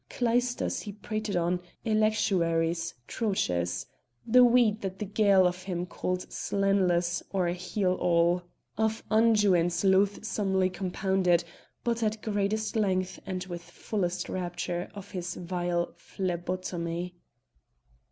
Clysters he prated on; electuaries; troches; the weed that the Gael of him called slanlus or "heal all;" of unguents loathsomely compounded, but at greatest length and with fullest rapture of his vile phlebotomy.